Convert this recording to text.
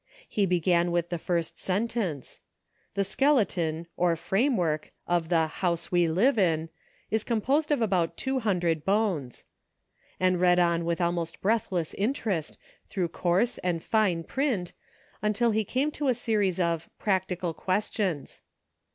He began with the first sen tence :" The skeleton, or framework, of the * house we live in ' is composed of about two hundred bones," and read on with almost breathless interest, through coarse and fine print, until he came to a series of "Practical Questions."